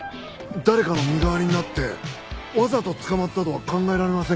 誰かの身代わりになってわざと捕まったとは考えられませんか？